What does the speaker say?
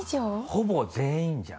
ほぼ全員じゃん。